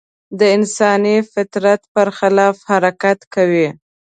د انساني فطرت په خلاف حرکت کوي.